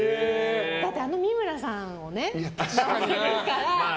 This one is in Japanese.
だって、あの三村さんの奥様だから。